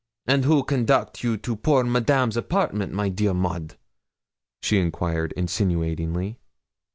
And who conduct you to poor Madame's apartment, my dear Maud?' She inquired insinuatingly.